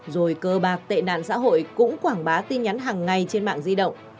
rồi cơ bạc tệ nạn xã hội cũng quảng bá tin nhắn hàng ngày trên mạng di động